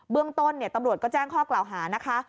เรื่องต้นตำรวจก็แจ้งข้อกล่าวหานะคะ